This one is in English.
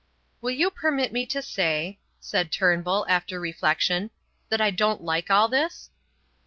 "Will you permit me to say," said Turnbull, after reflection, "that I don't like all this?"